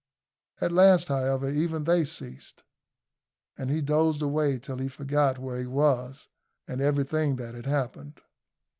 At last, however, even they ceased, and he dozed away till he forgot where he was and everything that had happened.